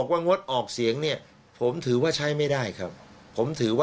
ฟังเสียงกุจุวิทย์เอง